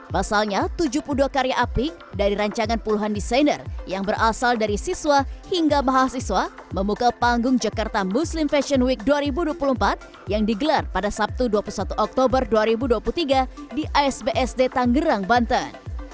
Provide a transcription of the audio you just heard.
pasalnya tujuh puluh dua karya apik dari rancangan puluhan desainer yang berasal dari siswa hingga mahasiswa memukul panggung jakarta muslim fashion week dua ribu dua puluh empat yang digelar pada sabtu dua puluh satu oktober dua ribu dua puluh tiga di asbsd tanggerang banten